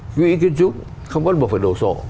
quỹ kiến trúc không có một phần đồ sổ